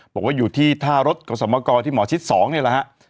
บอกว่าอยู่ที่ท่ารถกสมกรที่หมอชิด๒นี่แหละฮะ